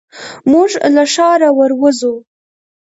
موږ له ښاره ور وځو.